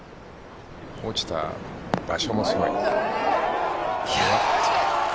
落ちた場所もすごい。